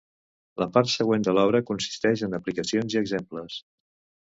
La part següent de l'obra consisteix en aplicacions i exemples.